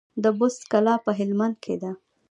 د بست کلا په هلمند کې ده